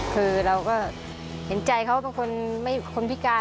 คือเราก็เห็นใจเขาเป็นคนพิการ